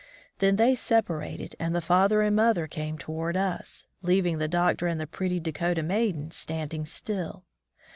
Then they separated and the father and mother came toward us, leaving the Doctor and the pretty Dakota maiden standing still.